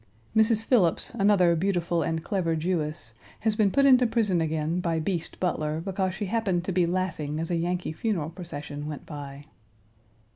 Mrs. Philips, another beautiful and clever Jewess, has Page 202 been put into prison again by "Beast" Butler because she happened to be laughing as a Yankee funeral procession went by.